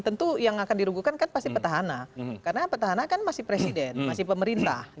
tentu yang akan dirugukan kan pasti petahana karena petahana kan masih presiden masih pemerintah